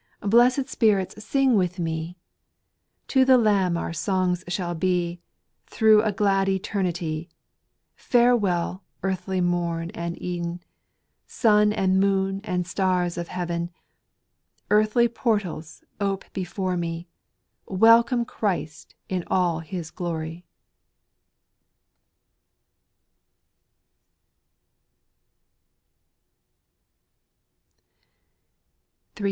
Blessed spirits, sing with me ! To the Lamb our songs shall be, Through a glad eternity ! Farewell, earthly morn and even, Sun and moon, and stars of heaven ; Heavenly portals, ope before me, Welcome Christ, in all His glory I 300.